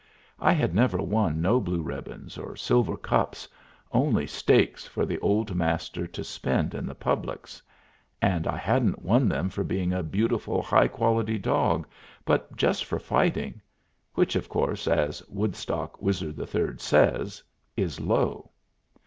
I had never won no blue ribbons or silver cups, only stakes for the old Master to spend in the publics; and I hadn't won them for being a beautiful high quality dog, but just for fighting which, of course, as Woodstock Wizard III says, is low.